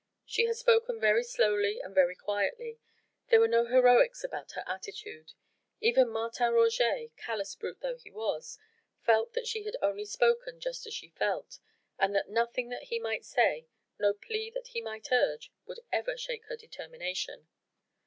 She had spoken very slowly and very quietly. There were no heroics about her attitude. Even Martin Roget callous brute though he was felt that she had only spoken just as she felt, and that nothing that he might say, no plea that he might urge, would ever shake her determination.